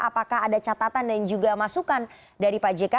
apakah ada catatan dan juga masukan dari pak jk